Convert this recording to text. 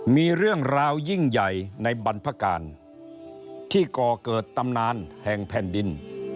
มีเรื่องราวยิ่งใหญ่ในบรรพการที่ก่อเกิดตำนานแห่งแผ่นดิน